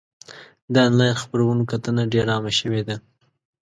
د انلاین خپرونو کتنه ډېر عامه شوې ده.